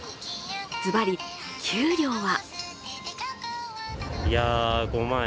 ずばり、給料は？